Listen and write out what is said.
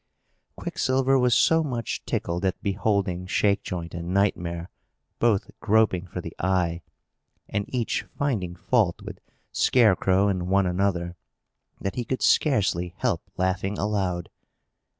Quicksilver was so much tickled at beholding Shakejoint and Nightmare both groping for the eye, and each finding fault with Scarecrow and one another, that he could scarcely help laughing aloud.